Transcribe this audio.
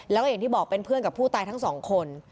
แล้วก็อย่างที่บอกเป็นเพื่อนกับผู้ตายทั้งสองคน